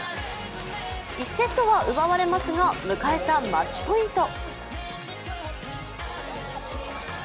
１セットは奪われますが、迎えたマッチポイント。